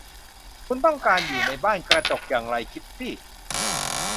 คุณต้องการอยู่ในบ้านกระจกอย่างไร คิตตี้